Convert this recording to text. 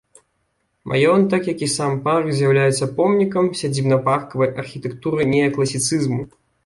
Маёнтак, як і сам парк, з'яўляюцца помнікам сядзібна-паркавай архітэктуры неакласіцызму.